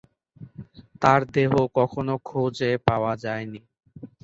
তার দেহ কখনো খোঁজে পাওয়া যায়নি।